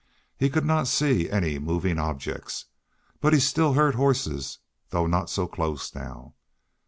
He could not see any moving objects, but he still heard horses, though not so close now.